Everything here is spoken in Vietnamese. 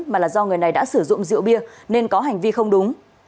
mà là do người này đã sử dụng rượu bia nên có hành vi không đúng